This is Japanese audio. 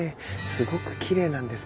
すごくきれいなんです